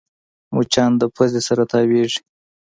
مچان د پوزې سره تاوېږي